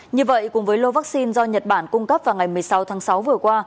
như vậy cùng với lô vaccine do nhật bản cung cấp vào ngày một mươi sáu tháng sáu vừa qua